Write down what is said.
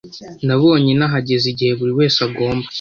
Nabonye nahageze igihe buri wese agomba